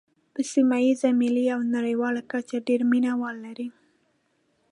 په سیمه ییزه، ملي او نړیواله کچه ډېر مینوال لري.